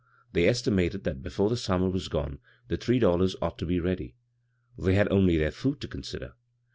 They estimated that before the sum mer was gone the three dollars ought to be ready. They had only their food to consider.